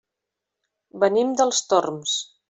Venim dels Torms.